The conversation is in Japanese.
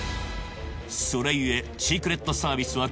それゆえシークレットサービスは